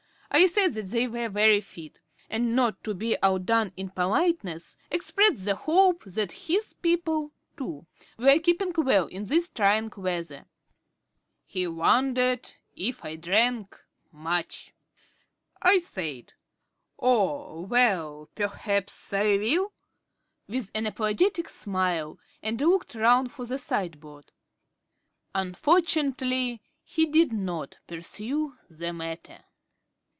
I said that they were very fit; and not to be outdone in politeness, expressed the hope that his people, too, were keeping well in this trying weather. He wondered if I drank much. I said, "Oh, well, perhaps I will," with an apologetic smile, and looked round for the sideboard. Unfortunately he did not pursue the matter....